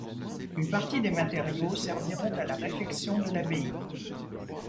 Une partie des matériaux serviront à la réfection de l'abbaye.